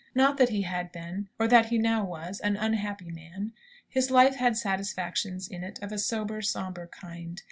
Not that he had been, or that he now was, an unhappy man. His life had satisfactions in it of a sober, sombre kind.